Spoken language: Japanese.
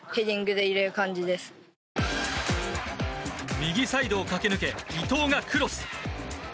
右サイドを駆け抜け伊東がクロス。